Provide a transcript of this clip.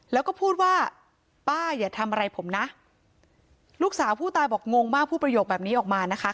แล้วก็พูดว่าป้าอย่าทำอะไรผมนะลูกสาวผู้ตายบอกงงมากพูดประโยคแบบนี้ออกมานะคะ